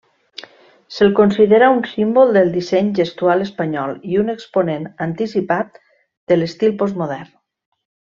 Se'l considera un símbol del disseny gestual espanyol i un exponent anticipat de l’estil postmodern.